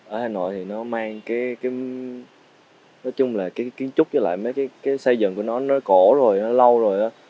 ở hà nội thì nó mang cái nói chung là cái kiến trúc với lại mấy cái xây dựng của nó cổ rồi nó lâu rồi á